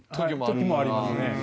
時もありますね。